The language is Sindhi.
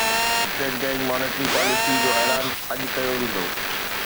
اسٽيٽ بئنڪ مانيٽري پاليسي جو اعلان اڄ ڪيو ويندو